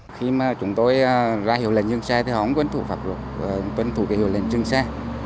khi mà chúng tôi ra hiệu lệnh dương xe thì không quân thủ phạm luật quân thủ cái hiệu lệnh dương xe